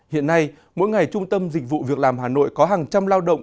hiện nay mỗi ngày trung tâm dịch vụ việc làm hà nội có hàng trăm lao động